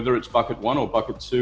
apakah itu bukit pertama atau bukit kedua